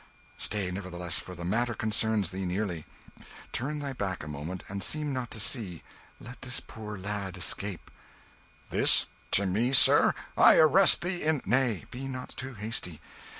"Stay, nevertheless, for the matter concerns thee nearly. Turn thy back a moment and seem not to see: let this poor lad escape." "This to me, sir! I arrest thee in " "Nay, be not too hasty.